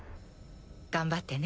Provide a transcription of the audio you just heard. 頑張ってね。